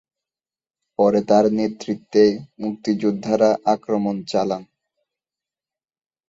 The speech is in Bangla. পরে তার নেতৃত্বে মুক্তিযোদ্ধারা আক্রমণ চালান।